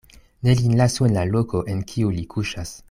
Ne lin lasu en la loko, en kiu li kuŝas.